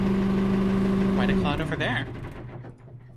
Quite a clot over there.